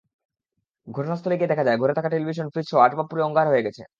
ঘটনাস্থলে গিয়ে দেখা যায়, ঘরে থাকা টেলিভিশন, ফ্রিজসহ আসবাব পুড়ে অঙ্গার হয়ে গেছে।